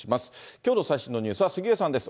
きょうの最新のニュースは杉上さんです。